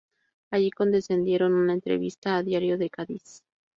Allí concedieron una entrevista a "Diario de" "Cádiz".